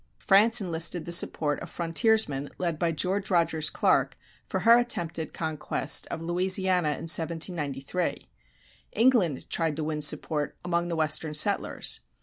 France enlisted the support of frontiersmen led by George Rogers Clark for her attempted conquest of Louisiana in 1793. England tried to win support among the western settlers.